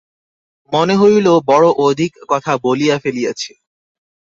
মনে হইল, বড়ো অধিক কথা বলিয়া ফেলিয়াছি।